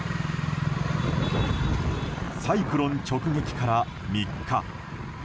サイクロン直撃から３日。